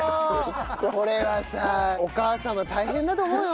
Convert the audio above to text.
これはさお母さんは大変だと思うよ。